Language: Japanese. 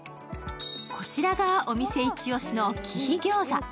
こちらがお店イチ押しの貴妃餃子。